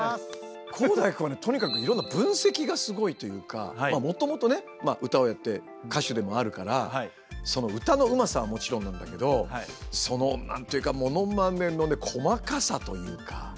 航大君はねとにかくいろんな分析がすごいというかもともとね歌をやって歌手でもあるから歌のうまさはもちろんなんだけどその何というかモノマネのね細かさというか。